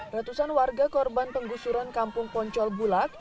ratusan warga korban penggusuran kampung poncol bulak